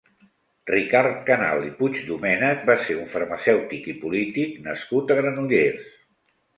Ricard Canal i Puigdomènech va ser un farmacèutic i polític nascut a Granollers.